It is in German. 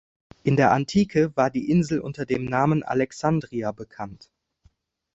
In der Antike war die Insel unter dem Namen "Alexandria" bekannt.